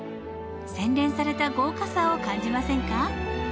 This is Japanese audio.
洗練された豪華さを感じませんか？